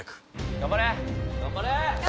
頑張れ！頑張って！